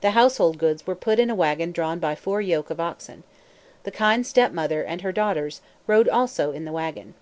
The household goods were put in a wagon drawn by four yoke of oxen. The kind step mother and her daughters rode also in the wagon.